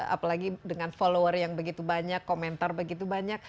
apalagi dengan follower yang begitu banyak komentar begitu banyak